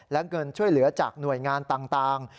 และเงินช่วยเหลือจากหน่วยงานต่าง